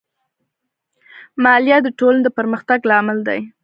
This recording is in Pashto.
مالیه د ټولنې د پرمختګ لامل دی.